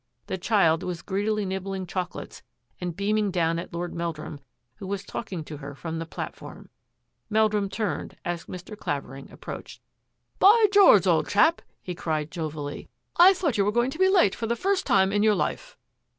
The child was greedily nib bling chocolates and beaming down at Lord Mel drum, who was talking to her from the platform. Meldrum turned as Mr. Clavering approached. By George, old chap! " he called jovially. " I a ' OFF FOR THE CONTINENT 266 thought you were going to be late for the first time in your life."